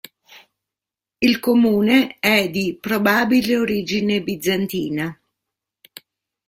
Il comune è di probabile origine bizantina.